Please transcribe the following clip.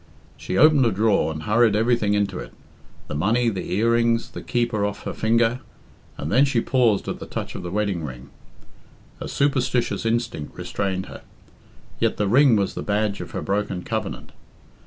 She opened a drawer and hurried everything into it the money, the earrings, the keeper off her finger, and then she paused at the touch of the wedding ring. A superstitious instinct restrained her. Yet the ring was the badge of her broken covenant.